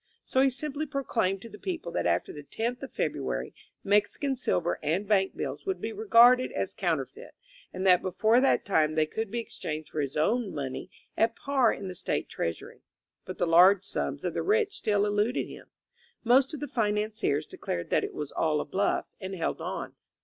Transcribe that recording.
So he simply proclaimed to the people that after the tenth of February Mexican silver and bank bills would be regarded as counterfeit, and that before that time they could be exchanged for his own money at par in the State Treasury. But the large sums of the rich still eluded him. Most of the financiers declared that it was all a bluff, and held on.